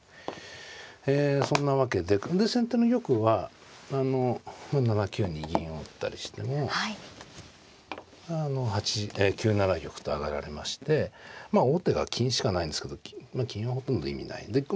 ええそんなわけでで先手の玉はあの７九に銀を打ったりしてもあの９七玉と上がられましてまあ王手が金しかないんですけど金はほとんど意味ないんで。